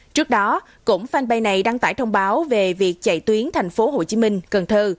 trước đó cũng fanpage này đăng tải thông báo về việc chạy tuyến thành phố hồ chí minh cần thơ